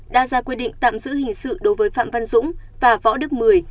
đã ra quyết định tạm giữ hình sự đối với phạm văn dũng và võ đức mười